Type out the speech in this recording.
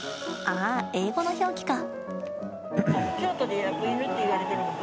あ英語の表記か。